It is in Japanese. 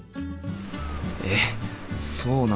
えっそうなんだ。